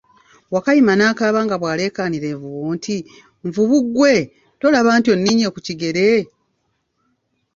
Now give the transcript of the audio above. Wakayima n'akaaba nga bw'alekaanira envubu nti, nvubu gwe, tolaba nti onninye ku kigere?